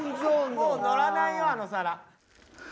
もうのらないよあの皿。